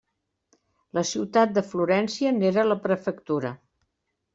La ciutat de Florència n'era la prefectura.